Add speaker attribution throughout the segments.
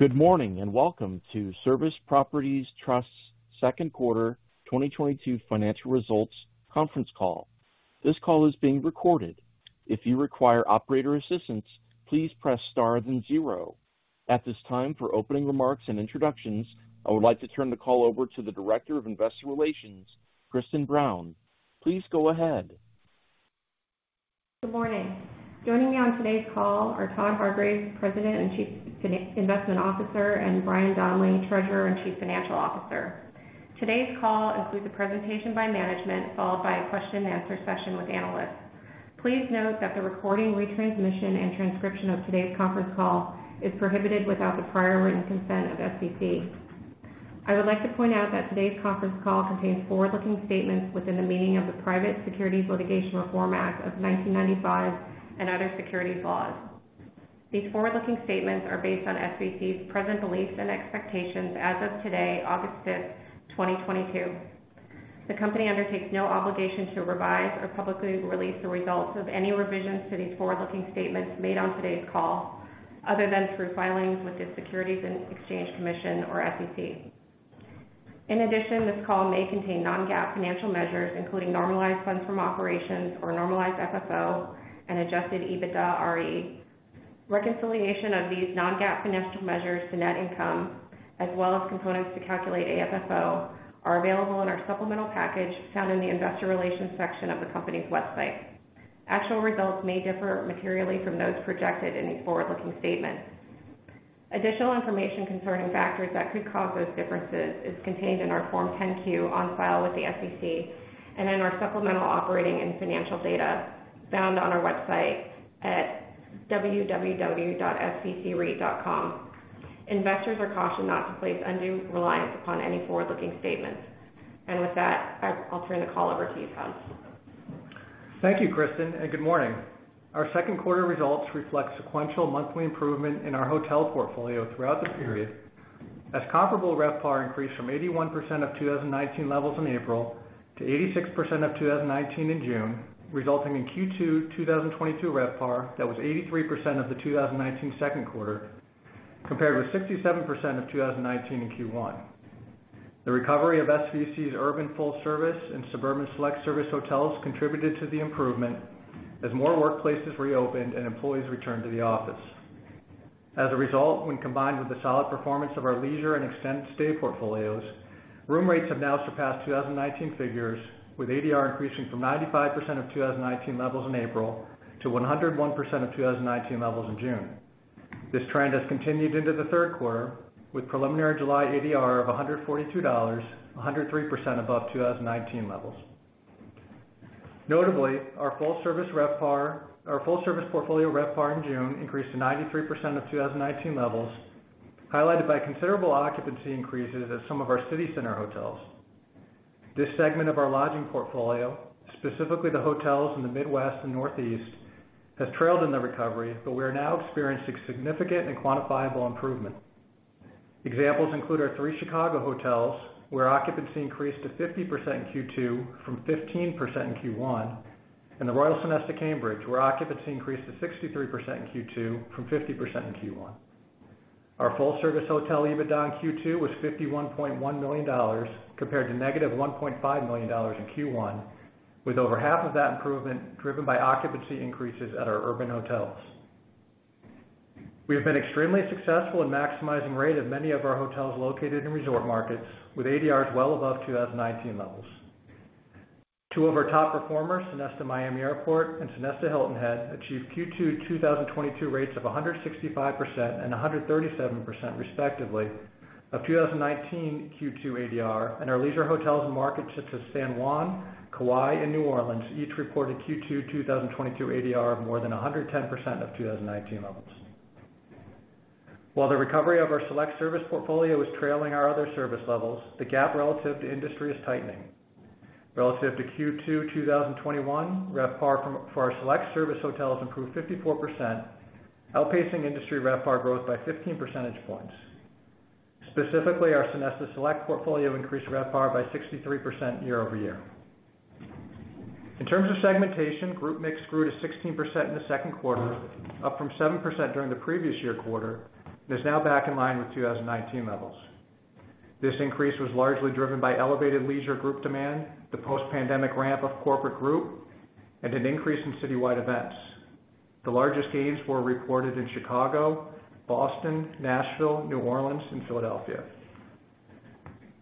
Speaker 1: Good morning, and welcome to Service Properties Trust's second quarter 2022 financial results conference call. This call is being recorded. If you require operator assistance, please press star then zero. At this time, for opening remarks and introductions, I would like to turn the call over to the Director of Investor Relations, Kristin Brown. Please go ahead.
Speaker 2: Good morning. Joining me on today's call are Todd Hargreaves, President and Chief Investment Officer, and Brian Donley, Treasurer and Chief Financial Officer. Today's call includes a presentation by management, followed by a question-and-answer session with analysts. Please note that the recording, retransmission, and transcription of today's conference call is prohibited without the prior written consent of SVC. I would like to point out that today's conference call contains forward-looking statements within the meaning of the Private Securities Litigation Reform Act of 1995 and other securities laws. These forward-looking statements are based on SVC's present beliefs and expectations as of today, August 5, 2022. The Company undertakes no obligation to revise or publicly release the results of any revision to these forward-looking statements made on today's call, other than through filings with the Securities and Exchange Commission or SEC. In addition, this call may contain non-GAAP financial measures, including normalized funds from operations or normalized FFO and adjusted EBITDAre. Reconciliation of these non-GAAP financial measures to net income, as well as components to calculate AFFO, are available in our supplemental package found in the investor relations section of the company's website. Actual results may differ materially from those projected in the forward-looking statement. Additional information concerning factors that could cause those differences is contained in our Form 10-Q on file with the SEC and in our supplemental operating and financial data found on our website at www.svcreit.com. Investors are cautioned not to place undue reliance upon any forward-looking statements. With that, I'll turn the call over to you, Todd.
Speaker 3: Thank you, Kristin, and good morning. Our second quarter results reflect sequential monthly improvement in our hotel portfolio throughout the period, as comparable RevPAR increased from 81% of 2019 levels in April to 86% of 2019 in June, resulting in Q2 2022 RevPAR that was 83% of the 2019 second quarter, compared with 67% of 2019 in Q1. The recovery of SVC's urban full-service and suburban select service hotels contributed to the improvement as more workplaces reopened and employees returned to the office. As a result, when combined with the solid performance of our leisure and extended stay portfolios, room rates have now surpassed 2019 figures, with ADR increasing from 95% of 2019 levels in April to 101% of 2019 levels in June. This trend has continued into the third quarter, with preliminary July ADR of $142, $103 above 2019 levels. Notably, our full-service portfolio RevPAR in June increased to 93% of 2019 levels, highlighted by considerable occupancy increases at some of our city center hotels. This segment of our lodging portfolio, specifically the hotels in the Midwest and Northeast, has trailed in the recovery, but we are now experiencing significant and quantifiable improvement. Examples include our three Chicago hotels, where occupancy increased to 50% in Q2 from 15% in Q1, and the Royal Sonesta Boston, where occupancy increased to 63% in Q2 from 50% in Q1. Our full-service hotel EBITDA in Q2 was $51.1 million, compared to negative $1.5 million in Q1, with over half of that improvement driven by occupancy increases at our urban hotels. We have been extremely successful in maximizing rate of many of our hotels located in resort markets with ADRs well above 2019 levels. Two of our top performers, Sonesta Miami Airport and Sonesta Hilton Head, achieved Q2 2022 rates of 165% and 137% respectively of 2019 Q2 ADR and our leisure hotels in markets such as San Juan, Kauai, and New Orleans each reported Q2 2022 ADR of more than 110% of 2019 levels. While the recovery of our select service portfolio is trailing our other service levels, the gap relative to industry is tightening. Relative to Q2, 2021, RevPAR for our select service hotels improved 54%, outpacing industry RevPAR growth by 15 percentage points. Specifically, our Sonesta Select portfolio increased RevPAR by 63% year-over-year. In terms of segmentation, group mix grew to 16% in the second quarter, up from 7% during the previous year quarter, and is now back in line with 2019 levels. This increase was largely driven by elevated leisure group demand, the post-pandemic ramp of corporate group, and an increase in citywide events. The largest gains were reported in Chicago, Boston, Nashville, New Orleans, and Philadelphia.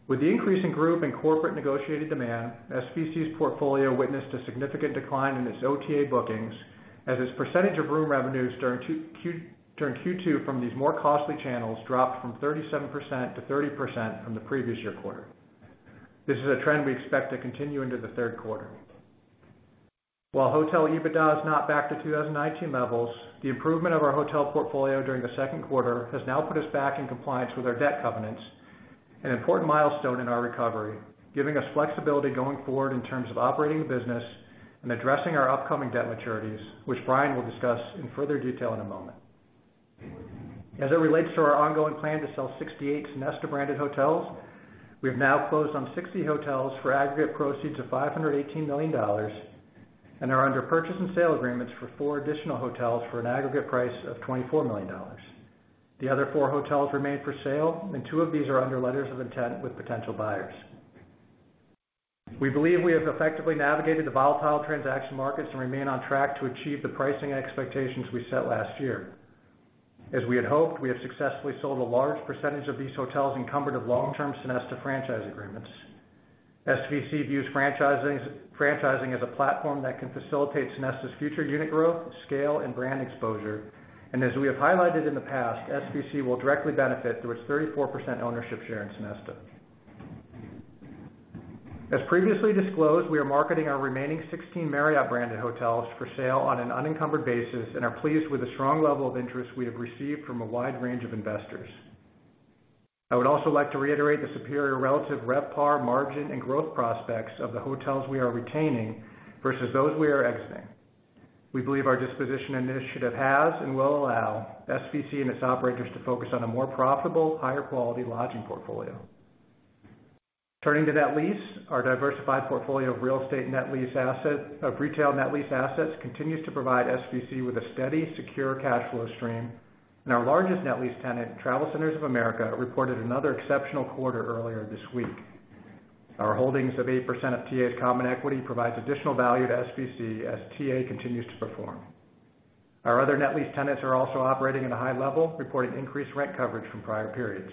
Speaker 3: With the increase in group and corporate negotiated demand, SVC's portfolio witnessed a significant decline in its OTA bookings as its percentage of room revenues during Q2 from these more costly channels dropped from 37% to 30% from the previous year quarter. This is a trend we expect to continue into the third quarter. While hotel EBITDA is not back to 2019 levels, the improvement of our hotel portfolio during the second quarter has now put us back in compliance with our debt covenants, an important milestone in our recovery, giving us flexibility going forward in terms of operating the business and addressing our upcoming debt maturities, which Brian will discuss in further detail in a moment. As it relates to our ongoing plan to sell 68 Sonesta branded hotels, we have now closed on 60 hotels for aggregate proceeds of $518 million. We are under purchase and sale agreements for four additional hotels for an aggregate price of $24 million. The other four hotels remain for sale, and two of these are under letters of intent with potential buyers. We believe we have effectively navigated the volatile transaction markets and remain on track to achieve the pricing expectations we set last year. As we had hoped, we have successfully sold a large percentage of these hotels encumbered with long-term Sonesta franchise agreements. SVC views franchising as a platform that can facilitate Sonesta's future unit growth, scale, and brand exposure. As we have highlighted in the past, SVC will directly benefit through its 34% ownership share in Sonesta. As previously disclosed, we are marketing our remaining 16 Marriott branded hotels for sale on an unencumbered basis and are pleased with the strong level of interest we have received from a wide range of investors. I would also like to reiterate the superior relative RevPAR, margin, and growth prospects of the hotels we are retaining versus those we are exiting. We believe our disposition initiative has and will allow SVC and its operators to focus on a more profitable, higher quality lodging portfolio. Turning to net lease, our diversified portfolio of retail net lease assets continues to provide SVC with a steady, secure cash flow stream. Our largest net lease tenant, TravelCenters of America, reported another exceptional quarter earlier this week. Our holdings of 8% of TA's common equity provides additional value to SVC as TA continues to perform. Our other net lease tenants are also operating at a high level, reporting increased rent coverage from prior periods.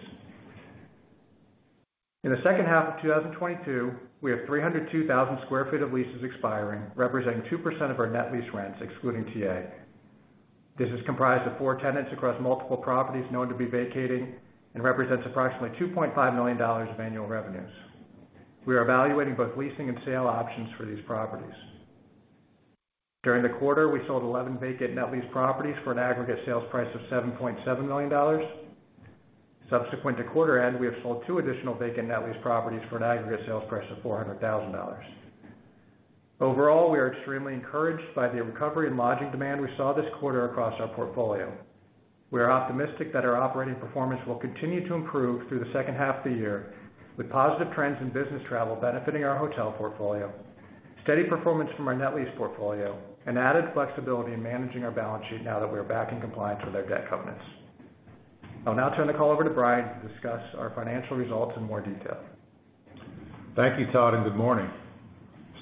Speaker 3: In the second half of 2022, we have 302,000 sq ft of leases expiring, representing 2% of our net lease rents excluding TA. This is comprised of four tenants across multiple properties known to be vacating and represents approximately $2.5 million of annual revenues. We are evaluating both leasing and sale options for these properties. During the quarter, we sold eleven vacant net lease properties for an aggregate sales price of $7.7 million. Subsequent to quarter end, we have sold two additional vacant net lease properties for an aggregate sales price of $400,000. Overall, we are extremely encouraged by the recovery in lodging demand we saw this quarter across our portfolio. We are optimistic that our operating performance will continue to improve through the second half of the year, with positive trends in business travel benefiting our hotel portfolio, steady performance from our net lease portfolio, and added flexibility in managing our balance sheet now that we are back in compliance with our debt covenants. I'll now turn the call over to Brian to discuss our financial results in more detail.
Speaker 4: Thank you, Todd, and good morning.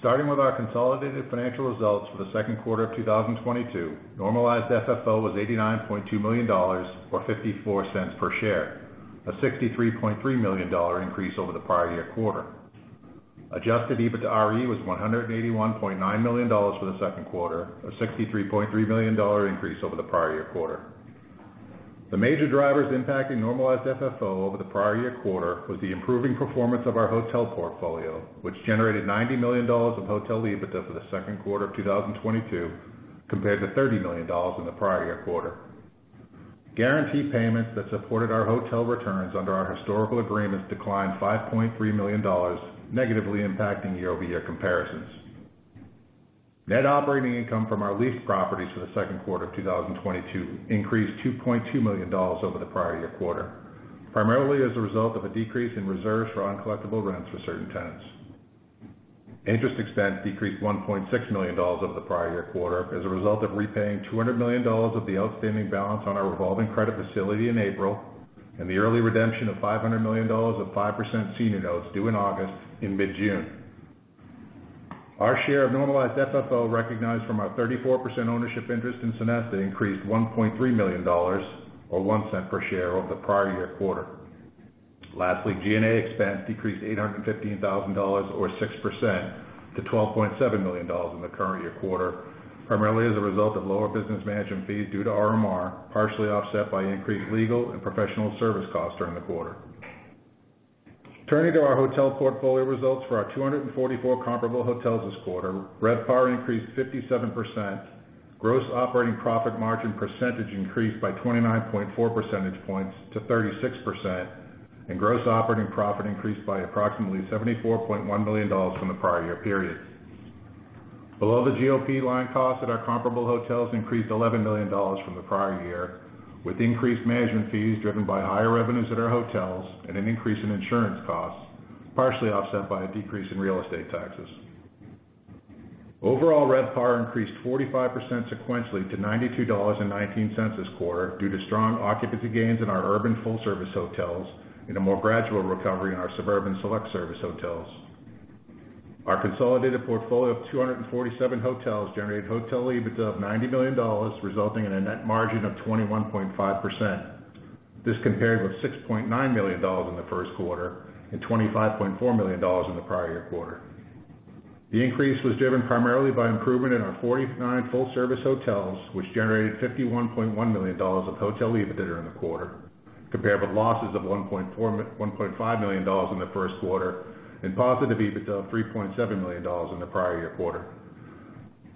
Speaker 4: Starting with our consolidated financial results for the second quarter of 2022, normalized FFO was $89.2 million or $0.54 per share, a $63.3 million increase over the prior year quarter. Adjusted EBITDAre was $181.9 million for the second quarter, a $63.3 million increase over the prior year quarter. The major drivers impacting normalized FFO over the prior year quarter was the improving performance of our hotel portfolio, which generated $90 million of hotel EBITDA for the second quarter of 2022 compared to $30 million in the prior year quarter. Guarantee payments that supported our hotel returns under our historical agreements declined $5.3 million, negatively impacting year-over-year comparisons. Net operating income from our leased properties for the second quarter of 2022 increased $2.2 million over the prior year quarter, primarily as a result of a decrease in reserves for uncollectible rents for certain tenants. Interest expense decreased $1.6 million over the prior year quarter as a result of repaying $200 million of the outstanding balance on our revolving credit facility in April and the early redemption of $500 million of 5% senior notes due in August in mid-June. Our share of normalized FFO recognized from our 34% ownership interest in Sonesta increased $1.3 million or $0.01 per share over the prior year quarter. Lastly, G&A expense decreased $815,000 or 6% to $12.7 million in the current year quarter, primarily as a result of lower business management fees due to RMR, partially offset by increased legal and professional service costs during the quarter. Turning to our hotel portfolio results for our 244 comparable hotels this quarter, RevPAR increased 57%. Gross operating profit margin percentage increased by 29.4 percentage points to 36%, and gross operating profit increased by approximately $74.1 million from the prior year period. Below the GOP line costs at our comparable hotels increased $11 million from the prior year, with increased management fees driven by higher revenues at our hotels and an increase in insurance costs, partially offset by a decrease in real estate taxes. Overall, RevPAR increased 45% sequentially to $92.19 this quarter due to strong occupancy gains in our urban full service hotels and a more gradual recovery in our suburban select service hotels. Our consolidated portfolio of 247 hotels generated hotel EBITDA of $90 million, resulting in a net margin of 21.5%. This compared with $6.9 million in the first quarter and $25.4 million in the prior year quarter. The increase was driven primarily by improvement in our 49 full service hotels, which generated $51.1 million of hotel EBITDA in the quarter, compared with losses of $1.5 million in the first quarter and positive EBITDA of $3.7 million in the prior year quarter.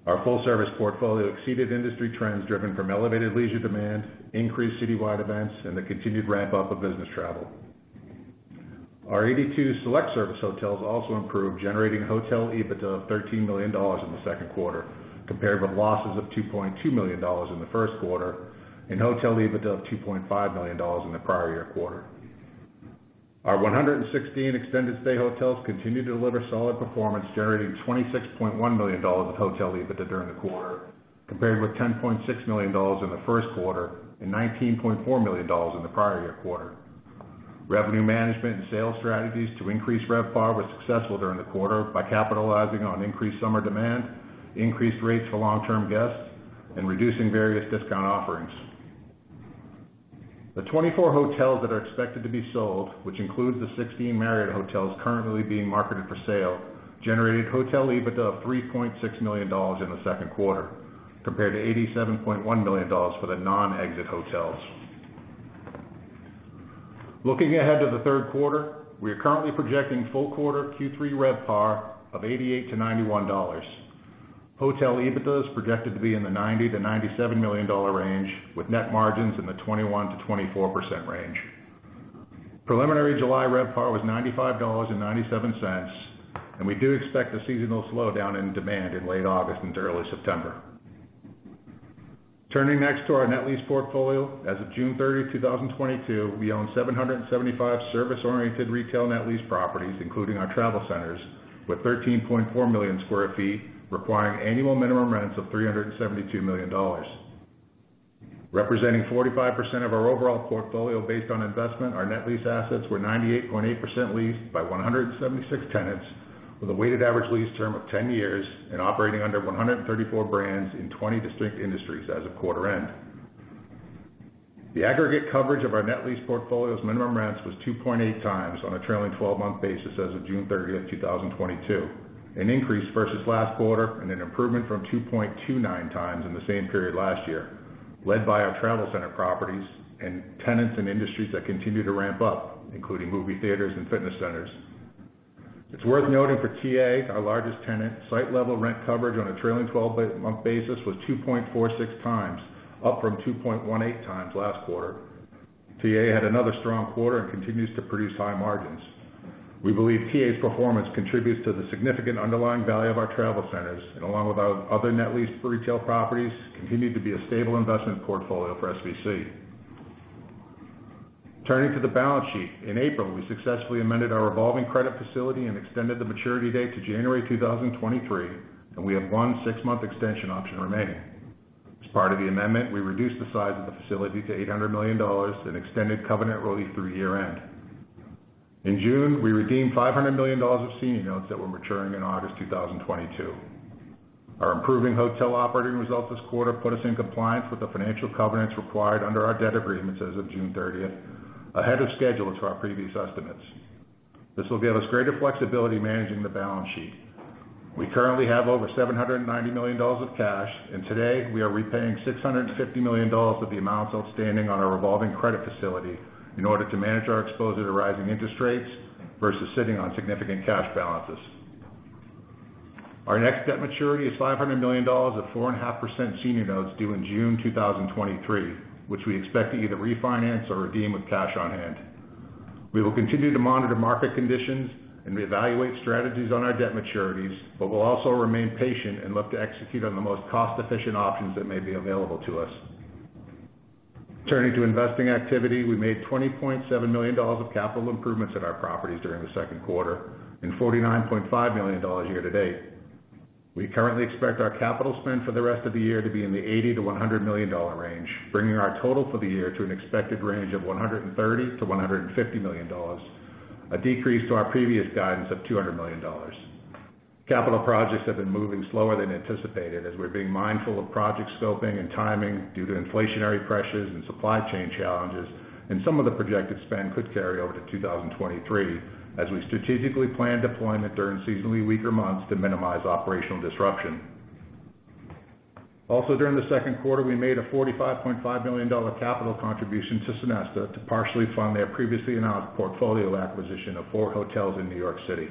Speaker 4: Our full service portfolio exceeded industry trends driven from elevated leisure demand, increased citywide events, and the continued ramp up of business travel. Our 82 select service hotels also improved, generating hotel EBITDA of $13 million in the second quarter, compared with losses of $2.2 million in the first quarter and hotel EBITDA of $2.5 million in the prior year quarter. Our 116 extended stay hotels continued to deliver solid performance, generating $26.1 million of hotel EBITDA during the quarter, compared with $10.6 million in the first quarter and $19.4 million in the prior year quarter. Revenue management and sales strategies to increase RevPAR was successful during the quarter by capitalizing on increased summer demand, increased rates for long-term guests, and reducing various discount offerings. The 24 hotels that are expected to be sold, which includes the 16 Marriott hotels currently being marketed for sale, generated hotel EBITDA of $3.6 million in the second quarter, compared to $87.1 million for the non-exit hotels. Looking ahead to the third quarter, we are currently projecting full quarter Q3 RevPAR of $88-$91. Hotel EBITDA is projected to be in the $90-$97 million range, with net margins in the 21%-24% range. Preliminary July RevPAR was $95.97, and we do expect a seasonal slowdown in demand in late August and early September. Turning next to our net lease portfolio. As of June 30, 2022, we own 775 service-oriented retail net lease properties, including our travel centers, with 13.4 million sq ft requiring annual minimum rents of $372 million. Representing 45% of our overall portfolio based on investment, our net lease assets were 98.8% leased by 176 tenants with a weighted average lease term of 10 years and operating under 134 brands in 20 distinct industries as of quarter end. The aggregate coverage of our net lease portfolio's minimum rents was 2.8 times on a trailing twelve-month basis as of June 30, 2022, an increase versus last quarter and an improvement from 2.29 times in the same period last year, led by our travel center properties and tenants in industries that continue to ramp up, including movie theaters and fitness centers. It's worth noting for TA, our largest tenant, site level rent coverage on a trailing twelve-month basis was 2.46 times, up from 2.18 times last quarter. TA had another strong quarter and continues to produce high margins. We believe TA's performance contributes to the significant underlying value of our travel centers, and along with our other net leased retail properties, continue to be a stable investment portfolio for SVC. Turning to the balance sheet. In April, we successfully amended our revolving credit facility and extended the maturity date to January 2023, and we have one six-month extension option remaining. As part of the amendment, we reduced the size of the facility to $800 million and extended covenant relief through year-end. In June, we redeemed $500 million of senior notes that were maturing in August 2022. Our improving hotel operating results this quarter put us in compliance with the financial covenants required under our debt agreements as of June 30, ahead of schedule to our previous estimates. This will give us greater flexibility managing the balance sheet. We currently have over $790 million of cash, and today we are repaying $650 million of the amounts outstanding on our revolving credit facility in order to manage our exposure to rising interest rates versus sitting on significant cash balances. Our next debt maturity is $500 million of 4.5% senior notes due in June 2023, which we expect to either refinance or redeem with cash on hand. We will continue to monitor market conditions and reevaluate strategies on our debt maturities, but we'll also remain patient and look to execute on the most cost-efficient options that may be available to us. Turning to investing activity. We made $20.7 million of capital improvements at our properties during the second quarter and $49.5 million year to date. We currently expect our capital spend for the rest of the year to be in the $80-$100 million range, bringing our total for the year to an expected range of $130-$150 million, a decrease to our previous guidance of $200 million. Capital projects have been moving slower than anticipated as we're being mindful of project scoping and timing due to inflationary pressures and supply chain challenges, and some of the projected spend could carry over to 2023 as we strategically plan deployment during seasonally weaker months to minimize operational disruption. Also, during the second quarter, we made a $45.5 million capital contribution to Sonesta to partially fund their previously announced portfolio acquisition of four hotels in New York City.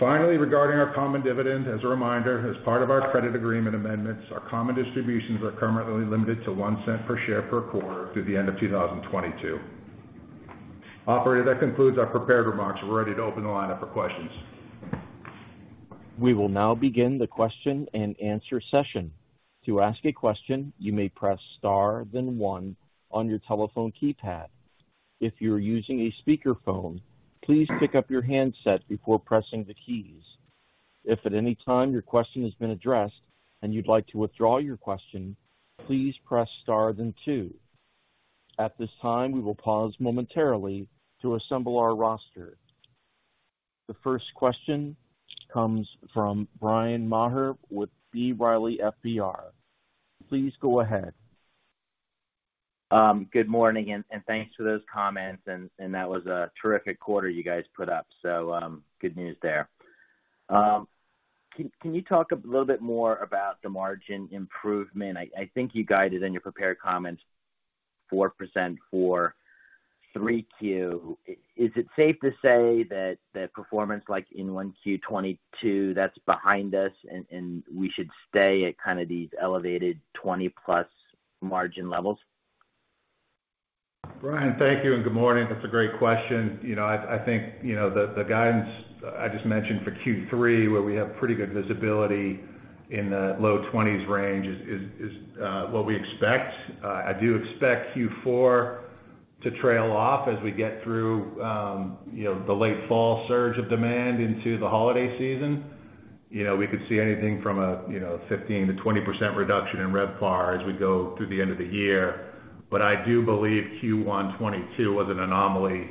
Speaker 4: Finally, regarding our common dividend, as a reminder, as part of our credit agreement amendments, our common distributions are currently limited to $0.01 per share per quarter through the end of 2022. Operator, that concludes our prepared remarks. We're ready to open the line up for questions.
Speaker 1: We will now begin the question and answer session. To ask a question, you may press star, then one on your telephone keypad. If you're using a speakerphone, please pick up your handset before pressing the keys. If at any time your question has been addressed and you'd like to withdraw your question, please press star then two. At this time, we will pause momentarily to assemble our roster. The first question comes from Bryan Maher with B. Riley Securities. Please go ahead.
Speaker 5: Good morning and thanks for those comments and that was a terrific quarter you guys put up. Good news there. Can you talk a little bit more about the margin improvement? I think you guided in your prepared comments 4% for 3Q. Is it safe to say that the performance like in 1Q 2022 that's behind us and we should stay at kind of these elevated 20%+ margin levels? Brian, thank you and good morning. That's a great question. You know, I think you know the guidance I just mentioned for Q3, where we have pretty good visibility in the low 20s% range is what we expect. I do expect Q4 to trail off as we get through you know the late fall surge of demand into the holiday season.
Speaker 4: You know, we could see anything from you know, 15%-20% reduction in RevPAR as we go through the end of the year. I do believe Q1 2022 was an anomaly,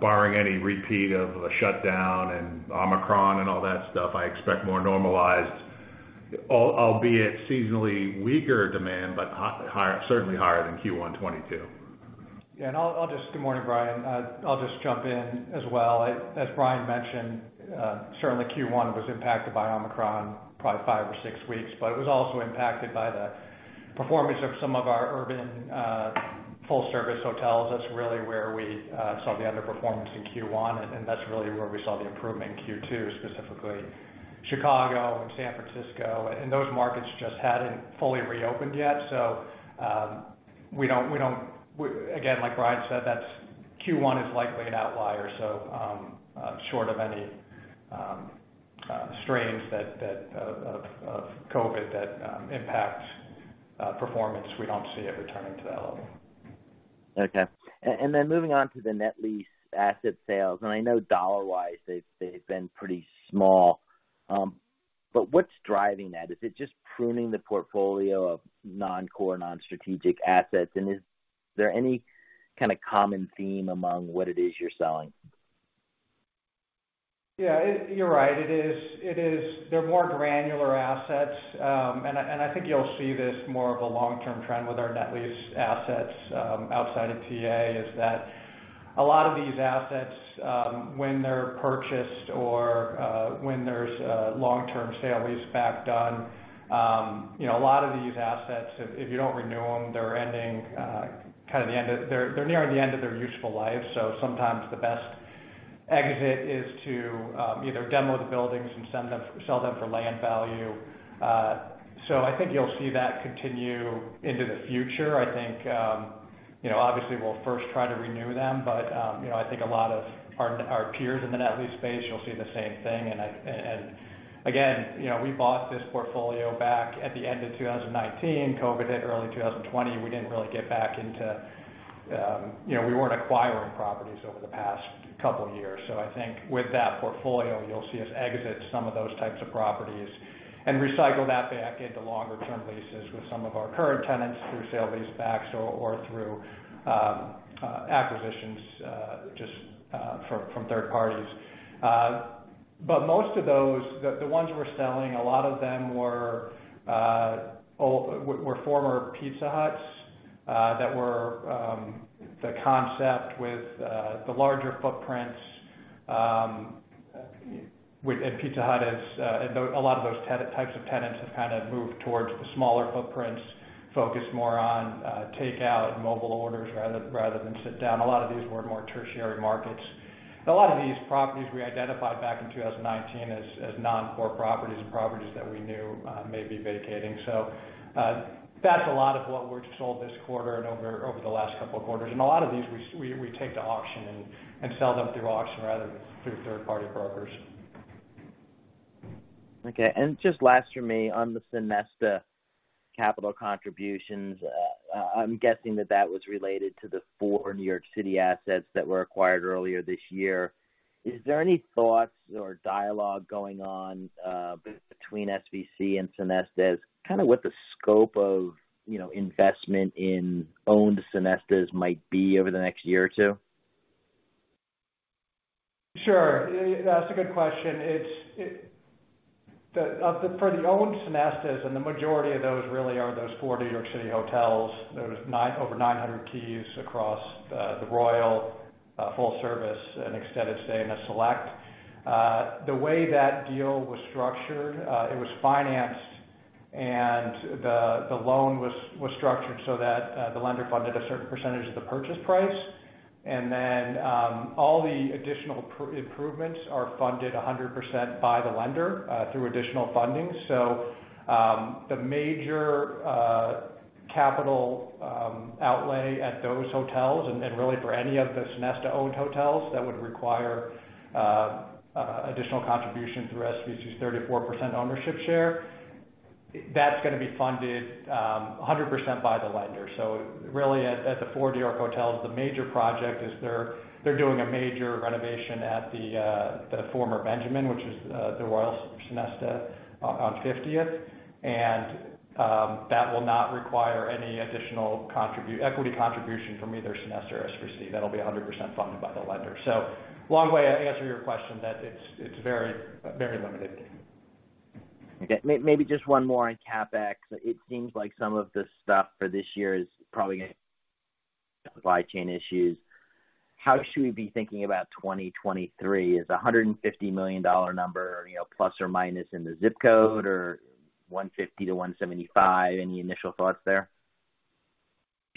Speaker 4: barring any repeat of a shutdown and Omicron and all that stuff. I expect more normalized, albeit seasonally weaker demand, but higher, certainly higher than Q1 2022.
Speaker 3: Yeah. Good morning, Brian. I'll just jump in as well. As Brian mentioned, certainly Q1 was impacted by Omicron, probably five or six weeks, but it was also impacted by the performance of some of our urban full service hotels. That's really where we saw the underperformance in Q1, and that's really where we saw the improvement in Q2, specifically Chicago and San Francisco. Those markets just hadn't fully reopened yet. We don't. Again, like Brian said, that's Q1 is likely an outlier, so short of any strains of COVID that impacts performance, we don't see it returning to that level.
Speaker 5: Okay. And then moving on to the net lease asset sales, and I know dollar-wise they've been pretty small, but what's driving that? Is it just pruning the portfolio of non-core, non-strategic assets? Is there any kinda common theme among what it is you're selling?
Speaker 3: You're right. It is. They're more granular assets, and I think you'll see this more of a long-term trend with our net lease assets outside of TA, is that a lot of these assets when they're purchased or when there's a long-term sale leaseback done, you know, a lot of these assets, if you don't renew them, they're nearing the end of their useful life, so sometimes the best exit is to either demo the buildings and sell them for land value. So I think you'll see that continue into the future. I think you know, obviously we'll first try to renew them, but you know, I think a lot of our peers in the net lease space, you'll see the same thing. I again, you know, we bought this portfolio back at the end of 2019. COVID hit early 2020. We didn't really get back into. You know, we weren't acquiring properties over the past couple years. I think with that portfolio, you'll see us exit some of those types of properties and recycle that back into longer term leases with some of our current tenants through sale leasebacks or through acquisitions just from third parties. But most of those, the ones we're selling, a lot of them were former Pizza Huts that were the concept with the larger footprints with. Pizza Hut is, and a lot of those types of tenants have kinda moved towards the smaller footprints, focused more on take out and mobile orders rather than sit down. A lot of these were more tertiary markets. A lot of these properties we identified back in 2019 as non-core properties and properties that we knew may be vacating. That's a lot of what we sold this quarter and over the last couple of quarters. A lot of these we take to auction and sell them through auction rather than through third party brokers.
Speaker 5: Okay. Just last for me on the Sonesta capital contributions, I'm guessing that was related to the four New York City assets that were acquired earlier this year. Is there any thoughts or dialogue going on between SVC and Sonesta as kinda what the scope of, you know, investment in owned Sonestas might be over the next year or two?
Speaker 3: That's a good question. For the owned Sonestas, and the majority of those really are those four New York City hotels. There's over 900 keys across Royal Sonesta full service and extended stay in Sonesta Select. The way that deal was structured, it was financed and the loan was structured so that the lender funded a certain percentage of the purchase price. All the additional improvements are funded 100% by the lender through additional funding. The major capital outlay at those hotels and really for any of the Sonesta owned hotels that would require additional contribution through SVC's 34% ownership share, that's gonna be funded 100% by the lender. Really at the four New York hotels, the major project is they're doing a major renovation at the former Benjamin, which is Royal Sonesta on Fiftieth. That will not require any additional equity contribution from either Sonesta or SVC. That'll be 100% funded by the lender. Long way of answering your question that it's very limited.
Speaker 5: Okay. Maybe just one more on CapEx. It seems like some of the stuff for this year is probably gonna supply chain issues. How should we be thinking about 2023? Is a $150 million-dollar number, you know, ± in the zip code or $150-$175? Any initial thoughts there?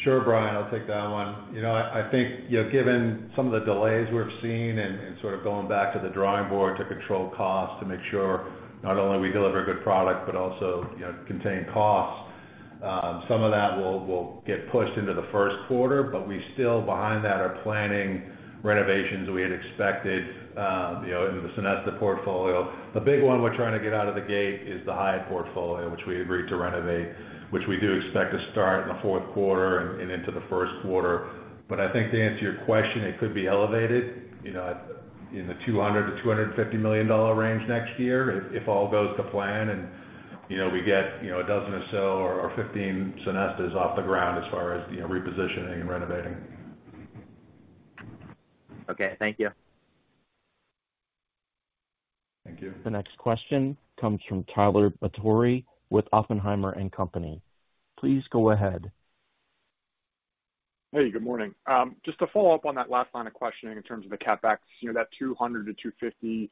Speaker 4: Sure, Brian, I'll take that one. You know, I think, you know, given some of the delays we've seen and sort of going back to the drawing board to control costs to make sure not only we deliver a good product, but also, you know, contain costs.
Speaker 3: Some of that will get pushed into the first quarter, but we still, behind that, are planning renovations we had expected, you know, in the Sonesta portfolio. The big one we're trying to get out of the gate is the Hyatt portfolio, which we agreed to renovate, which we do expect to start in the fourth quarter and into the first quarter. I think to answer your question, it could be elevated, you know, in the $200-$250 million range next year if all goes to plan. You know, we get, you know, a dozen or so or 15 Sonestas off the ground as far as, you know, repositioning and renovating.
Speaker 5: Okay. Thank you.
Speaker 3: Thank you.
Speaker 1: The next question comes from Tyler Batory with Oppenheimer & Co. Inc. Please go ahead.
Speaker 6: Hey, good morning. Just to follow up on that last line of questioning in terms of the CapEx. You know, that $200-$225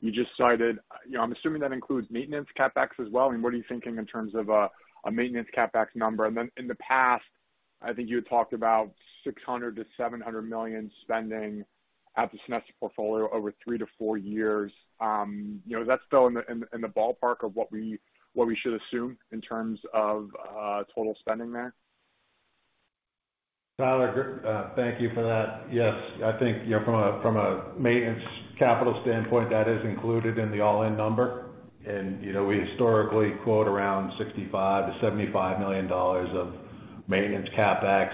Speaker 6: you just cited, you know, I'm assuming that includes maintenance CapEx as well. What are you thinking in terms of a maintenance CapEx number? Then in the past, I think you had talked about $600-$700 million spending at the Sonesta portfolio over 3years-4 years. You know, that's still in the ballpark of what we should assume in terms of total spending there?
Speaker 4: Tyler, thank you for that. Yes. I think, you know, from a maintenance capital standpoint, that is included in the all-in number. You know, we historically quote around $65 million-$75 million of maintenance CapEx.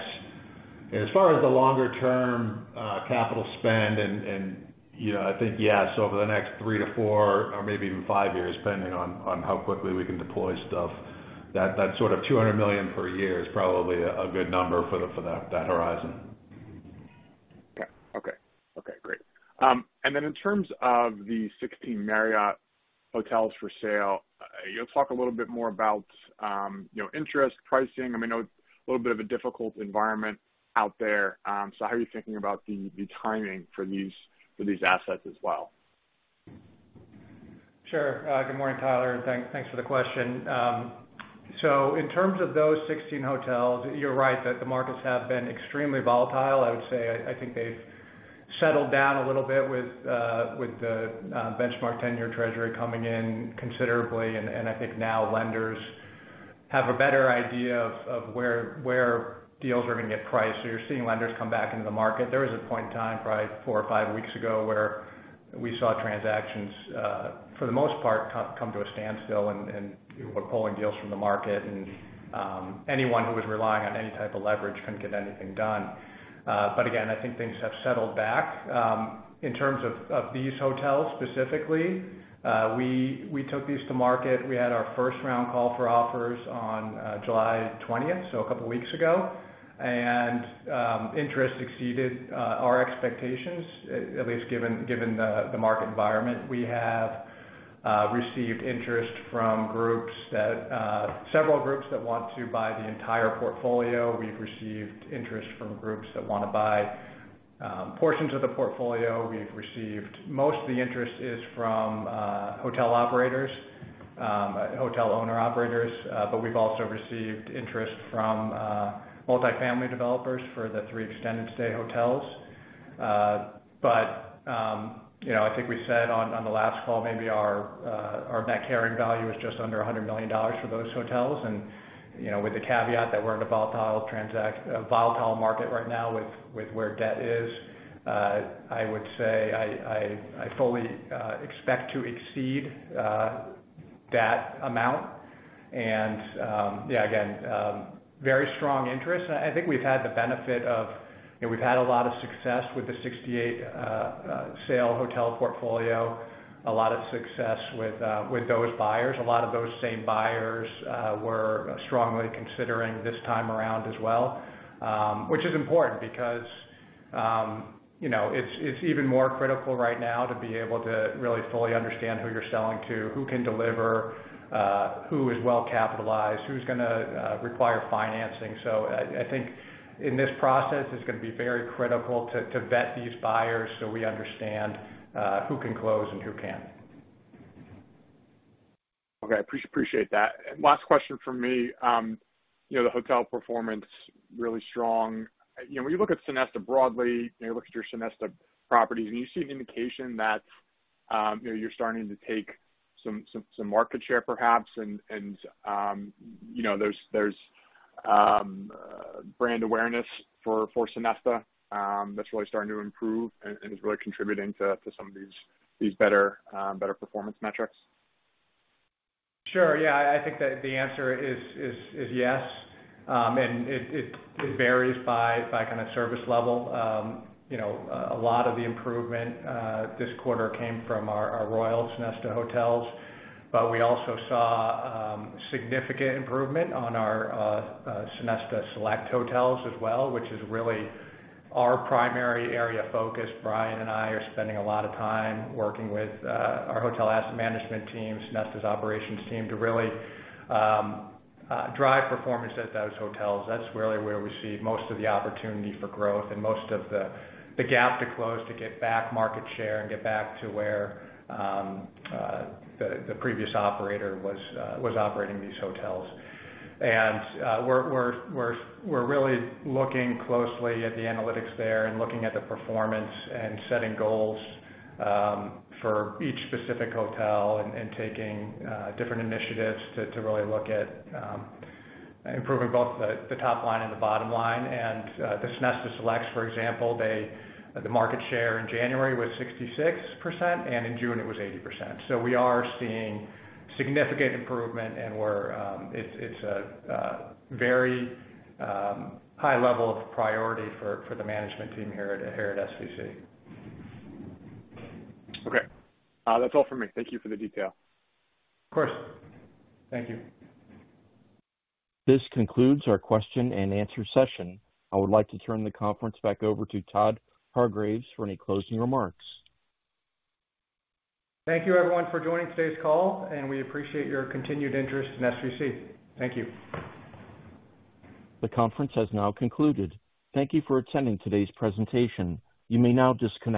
Speaker 4: As far as the longer term capital spend and, you know, I think, yeah, so over the next 3-4 years or maybe even 5 years, depending on how quickly we can deploy stuff, that sort of $200 million per year is probably a good number for that horizon.
Speaker 6: In terms of the 16 Marriott hotels for sale, you know, talk a little bit more about, you know, interest pricing. I mean, I know it's a little bit of a difficult environment out there. How are you thinking about the timing for these assets as well?
Speaker 3: Sure. Good morning, Tyler, and thanks for the question. In terms of those 16 hotels, you're right that the markets have been extremely volatile. I would say I think they've settled down a little bit with the benchmark 10-year Treasury coming in considerably. I think now lenders have a better idea of where deals are gonna get priced. You're seeing lenders come back into the market. There was a point in time, probably 4weeks or 5 weeks ago, where we saw transactions for the most part come to a standstill, and people were pulling deals from the market. Anyone who was relying on any type of leverage couldn't get anything done. Again, I think things have settled back. In terms of these hotels specifically, we took these to market. We had our first round call for offers on July twentieth, so a couple of weeks ago. Interest exceeded our expectations at least given the market environment. We have received interest from several groups that want to buy the entire portfolio. We've received interest from groups that wanna buy portions of the portfolio. Most of the interest is from hotel operators, hotel owner-operators. But we've also received interest from multifamily developers for the three extended stay hotels. You know, I think we said on the last call, maybe our net carrying value is just under $100 million for those hotels. You know, with the caveat that we're in a volatile market right now with where debt is, I would say I fully expect to exceed that amount. Yeah, again, very strong interest. I think we've had the benefit of. You know, we've had a lot of success with the 68 sale hotel portfolio, a lot of success with those buyers. A lot of those same buyers were strongly considering this time around as well. Which is important because, you know, it's even more critical right now to be able to really fully understand who you're selling to, who can deliver, who is well-capitalized, who's gonna require financing. I think in this process, it's gonna be very critical to vet these buyers so we understand who can close and who can't.
Speaker 6: Okay. Appreciate that. Last question from me. You know, the hotel performance, really strong. You know, when you look at Sonesta broadly, you know, look at your Sonesta properties and you see an indication that, you know, you're starting to take some market share perhaps, and, you know, there's brand awareness for Sonesta that's really starting to improve and is really contributing to some of these better performance metrics.
Speaker 3: Sure. Yeah. I think that the answer is yes. It varies by kind of service level. You know, a lot of the improvement this quarter came from our Royal Sonesta hotels, but we also saw significant improvement on our Sonesta Select hotels as well, which is really our primary area of focus. Brian and I are spending a lot of time working with our hotel asset management team, Sonesta's operations team, to really drive performance at those hotels. That's really where we see most of the opportunity for growth and most of the gap to close to get back market share and get back to where the previous operator was operating these hotels. We're really looking closely at the analytics there and looking at the performance and setting goals for each specific hotel and taking different initiatives to really look at improving both the top line and the bottom line. The Sonesta Selects, for example, the market share in January was 66%, and in June it was 80%. We are seeing significant improvement and it's a very high level of priority for the management team here at SVC.
Speaker 6: Okay. That's all for me. Thank you for the detail.
Speaker 3: Of course. Thank you.
Speaker 1: This concludes our question and answer session. I would like to turn the conference back over to Todd Hargreaves for any closing remarks.
Speaker 3: Thank you, everyone, for joining today's call, and we appreciate your continued interest in SVC. Thank you.
Speaker 1: The conference has now concluded. Thank you for attending today's presentation. You may now disconnect.